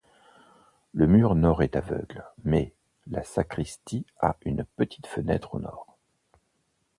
Le mur Nord est aveugle, mais la sacristie a une petite fenêtre au Nord.